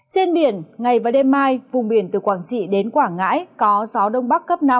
trên biển ngày và đêm mai vùng biển từ quảng trị đến quảng ngãi có gió đông bắc cấp năm